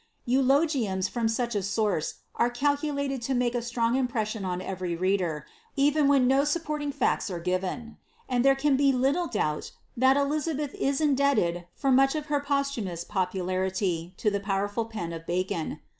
Eulogiums from such i source are calculated to make a strong impression on every reader, efen when no supporting facts are given ; and there can be little doubt that Elizabeth is indebted for much of her posthumous popularity to the powerful pen of Bacon.